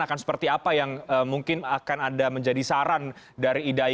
akan seperti apa yang mungkin akan ada menjadi saran dari idai